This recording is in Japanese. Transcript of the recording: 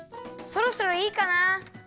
そろそろいいかな。